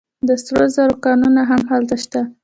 د سرو زرو کانونه هم هلته شته.